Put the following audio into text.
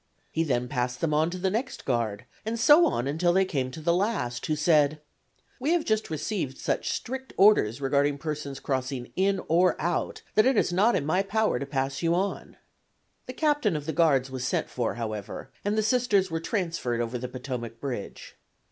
He then passed them on to the next guard, and so on until they came to the last, who said: "We have just received such strict orders regarding persons crossing in or out that it is not in my power to pass you on." The captain of the guards was sent for, however, and the Sisters were transferred over the Potomac Bridge.